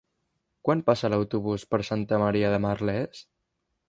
Quan passa l'autobús per Santa Maria de Merlès?